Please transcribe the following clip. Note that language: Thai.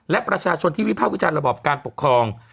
และประชาชนที่วิภาควิจารณ์ระบอบการปกครอง